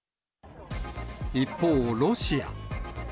一方、ロシア。